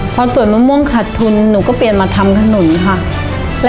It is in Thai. พอสวนมะม่วงขัดทุนหนูก็เปลี่ยนมาทำถนนค่ะ